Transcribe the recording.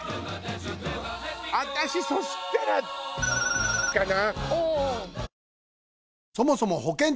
私そしたらかな。